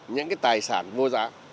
những cái tài sản vô giá